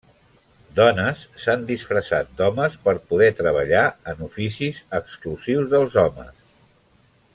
Dones s'han disfressat d'homes per poder treballar en oficis exclusius dels homes.